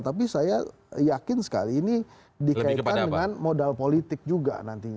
tapi saya yakin sekali ini dikaitkan dengan modal politik juga nantinya